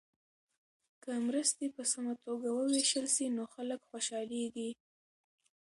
که مرستې په سمه توګه وویشل سي نو خلک خوشحالیږي.